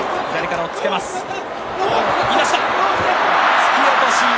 突き落とし。